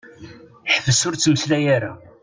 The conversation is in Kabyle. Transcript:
Ḥbes ur ttmeslay ara.